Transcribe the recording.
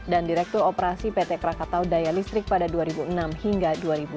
dan direktur operasi pt krakatau daya listrik pada dua ribu enam hingga dua ribu sembilan